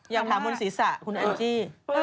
อยากถามบนศิษย์สรรคุณเออจี่